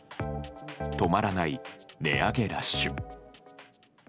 止まらない、値上げラッシュ。